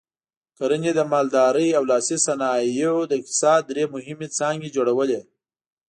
کرنې، مالدارۍ او لاسي صنایعو د اقتصاد درې مهمې څانګې جوړولې.